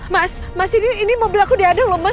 mas mas ini mobil aku diadang loh mas